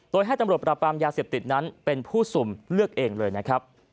โดยให้ตำรวจปราบปรามยาเสพติดนั้นเป็นผู้สุ่มเลือกเองเลยนะครับ